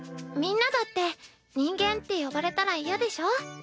みんなだって人間って呼ばれたら嫌でしょ？